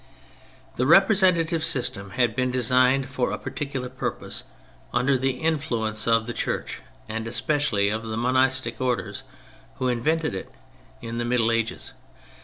The representative system had been designed for a particular purpose under the influence of the Church and especially of the monastic orders (who invented it) in the Middle Ages.